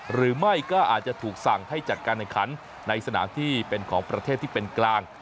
หรือไม่ก็อาจจะถูกสั่งให้จัดการแห่งขันในสนามที่เป็นของประเทศที่เป็นกลาง